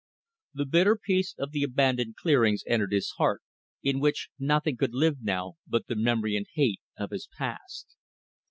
The bitter peace of the abandoned clearings entered his heart, in which nothing could live now but the memory and hate of his past.